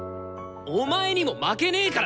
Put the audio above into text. お前にも負けねからな！